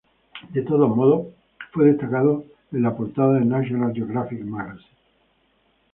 De todos modos, fue destacado en la portada de la "National Geographic Magazine".